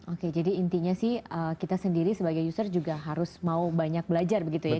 oke jadi intinya sih kita sendiri sebagai user juga harus mau banyak belajar begitu ya